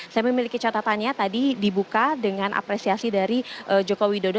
saya memiliki catatannya tadi dibuka dengan apresiasi dari joko widodo